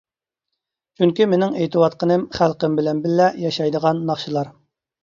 چۈنكى مېنىڭ ئېيتىۋاتقىنىم خەلقىم بىلەن بىللە ياشايدىغان ناخشىلار.